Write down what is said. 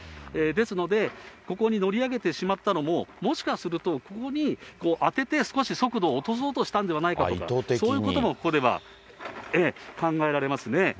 ですので、ここに乗り上げてしまったのも、もしかすると、ここに当てて少し速度を落とそうとしたんではないかとか、そういうこともここでは考えられますね。